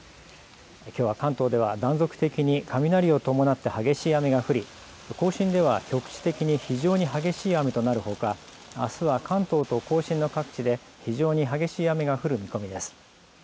きょうは関東では断続的に雷を伴って激しい雨が降り甲信では局地的に非常に激しい雨となるほか、あすは関東と甲信の各地で非常に激しい雨が降る見込みです。